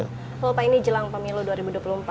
kalau pak ini jelang pemilu dua ribu dua puluh empat